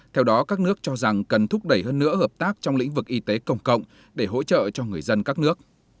theo đó các nước cho rằng cần thúc đẩy hơn nữa hợp tác trong lĩnh vực y tế công cộng để hỗ trợ cho người dân các nước